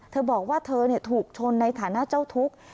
เธอบอกว่าเธอถูกชนในฐานะเจ้าทุกข์